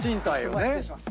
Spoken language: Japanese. お願いします。